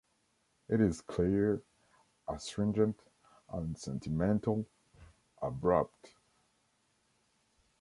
It is clear, astringent, unsentimental, abrupt.